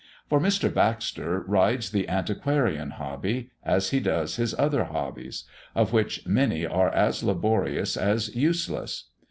For Mr. Baxter rides the antiquarian hobby as he does his other hobbies, of which many are as laborious as useless.